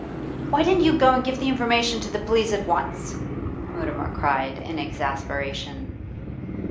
'Why didn't you go and give information to the police at once?' Mutimer cried, in exasperation.